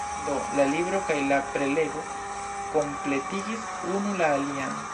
Do, la libro kaj la prelego kompletigis unu la alian.